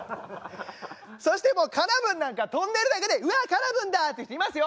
そしてもうカナブンなんか飛んでるだけで「うわカナブンだ」って言う人いますよ。